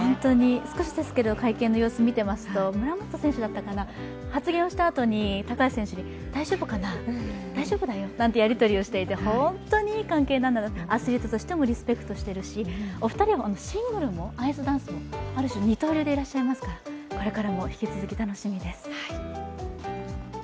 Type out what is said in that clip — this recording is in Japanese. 少し会見の様子を見ていますと、村元選手だったかな、発言をしたあとに高橋選手に大丈夫かな、大丈夫だよなんてやり取りをしていて本当にいい関係なんだなとアスリートとしてもリスペクトしているし、お二人はシングルもアイスダンスも、ある種、二刀流ですからこれからも引き続き楽しみです。